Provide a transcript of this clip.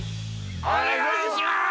おねがいします！